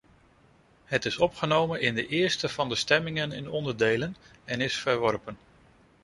Het is opgenomen in de eerste van de stemmingen in onderdelen en is verworpen.